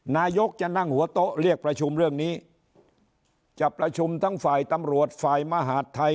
นายกจะนั่งหัวโต๊ะเรียกประชุมเรื่องนี้จะประชุมทั้งฝ่ายตำรวจฝ่ายมหาดไทย